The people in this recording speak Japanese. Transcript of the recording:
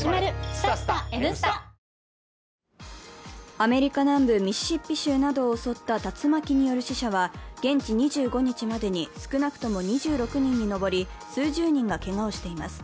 アメリカ南部ミシシッピ州などを襲った竜巻は現地２５日までに少なくとも２６人に上り数十人がけがをしています。